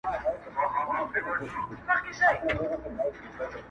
راته ښکاري چي لرمه لا خبري د ویلو-